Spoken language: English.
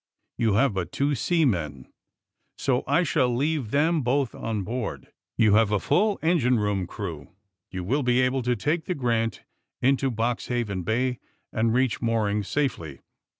You bave but two seamen, so I sball leave tbem both on board. You bave a full engine room crew. You will be able to take the ^ Grant' into Boxbaven Bay and reach moorings safely.''